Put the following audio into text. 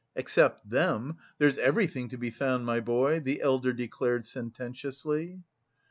"Except them, there's everything to be found, my boy," the elder declared sententiously.